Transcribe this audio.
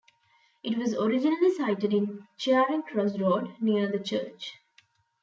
It was originally sited in Charing Cross Road, near the church.